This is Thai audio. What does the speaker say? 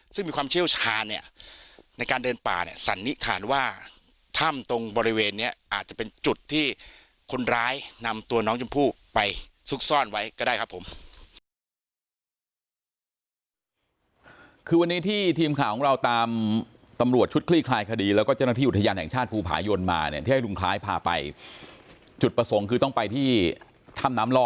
ซึ่งมีความเชี่ยวชาญเนี่ยในการเดินป่าเนี่ยสันนิษฐานว่าถ้ำตรงบริเวณเนี้ยอาจจะเป็นจุดที่คนร้ายนำตัวน้องชมพู่ไปซุกซ่อนไว้ก็ได้ครับผมคือวันนี้ที่ทีมข่าวของเราตามตำรวจชุดคลี่คลายคดีแล้วก็เจ้าหน้าที่อุทยานแห่งชาติภูผายนมาเนี่ยที่ให้ลุงคล้ายพาไปจุดประสงค์คือต้องไปที่ถ้ำน้ำล่อ